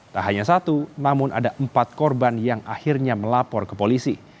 tak hanya satu namun ada empat korban yang akhirnya melapor ke polisi